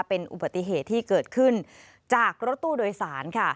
เป็นอุบัติเหตุที่เกิดขึ้นจากรถตู้โดยสารค่ะ